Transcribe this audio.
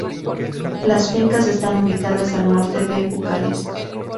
Las fincas están ubicadas al norte de Bucarest.